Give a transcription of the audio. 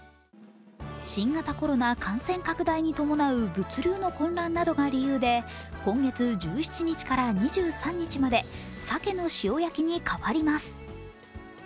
新型コロナ感染拡大に伴う物流の混乱などが理由で今月１７日から２３日まで鮭の塩焼きに変わります。